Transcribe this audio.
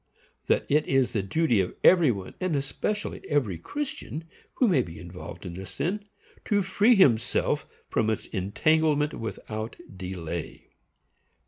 That it is the duty of every one, and especially of every Christian, who may be involved in this sin, to free himself from its entanglement without delay.